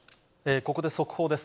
ここで速報です。